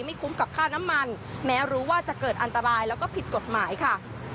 คุ้มกับค่าน้ำมันแม้รู้ว่าจะเกิดอันตรายแล้วก็ผิดกฎหมายค่ะ